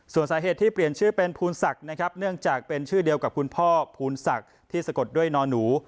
ส่วนสาเหตุที่เปลี่ยนชื่อเป็นภูนศักดิ์นะครับเนื่องจากเป็นชื่อเดียวกับคุณพ่อภูลศักดิ์ที่สะกดด้วยนอนหนู